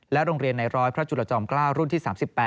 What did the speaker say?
โรงเรียนในร้อยพระจุลจอม๙รุ่นที่๓๘